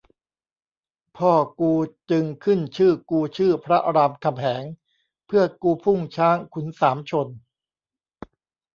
พ่อกูจึงขึ้นชื่อกูชื่อพระรามคำแหง เพื่อกูพุ่งช้างขุนสามชน